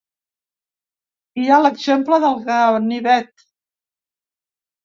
Hi ha l’exemple del ganivet.